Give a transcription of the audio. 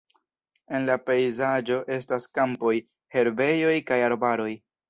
En la pejzaĝo estas kampoj, herbejoj kaj arbaroj.